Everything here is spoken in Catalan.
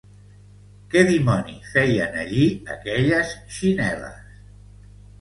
Què dimoni feien allí aquelles xinel·les?